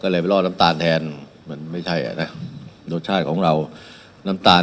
ก็เลยไปล่อน้ำตาลแทนมันไม่ใช่อ่ะนะรสชาติของเราน้ำตาล